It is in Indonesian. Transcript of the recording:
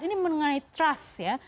ini mengenai trust ya